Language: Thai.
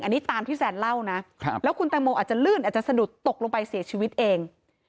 อันนี้ตามที่แซนเล่านะแล้วคุณแตงโมอาจจะลื่นอาจจะสะดุดตกลงไปเสียชีวิตเอง